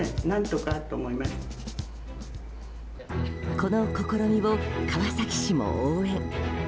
この試みを川崎市も応援。